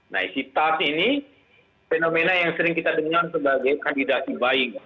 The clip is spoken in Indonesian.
nah isi tas ini fenomena yang sering kita dengar sebagai kandidasi baik